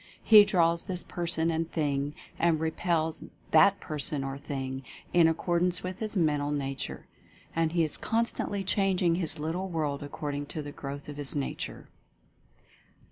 He draws this person and thing, and repels that person or thing, in accordance with his mental nature. And he is constantly changing his little world according to the growth of his nature.